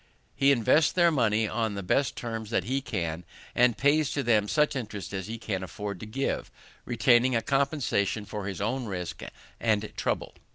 He invests their money on the best terms he can, and pays to them such interest as he can afford to give; retaining a compensation for his own risk and trouble.